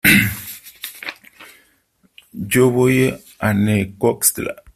yo voy a Necoxtla .